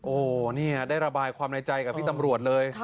โอ้โหนี่ได้ระบายความในใจกับพี่ตำรวจเลย